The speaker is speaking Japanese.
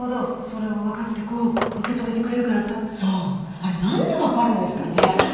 あれなんでわかるんですかね？